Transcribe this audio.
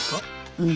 うん。